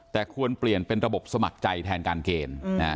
แต่ควรเปลี่ยนเป็นระบบสมัครใจแทนการเกณฑ์